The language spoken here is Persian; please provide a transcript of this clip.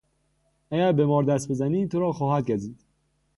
اگر به مار دست بزنی تو را خواهد گزید.